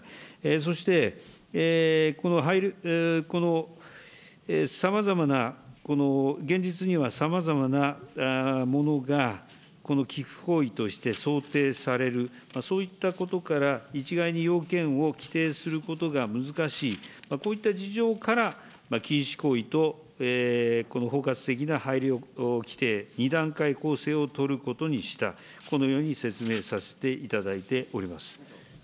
そして、このさまざまな、現実にはさまざまなものが、この寄付行為として想定される、そういったことから、一概に要件を規定することが難しい、こういった事情から禁止行為とこの包括的な配慮規定、２段階構成を取ることにした、このように説明させていただいております。